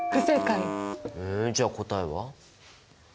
えじゃあ答えは？